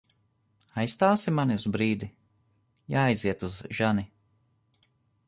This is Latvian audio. Aizstāsi mani uz brīdi? Jāaiziet uz žani.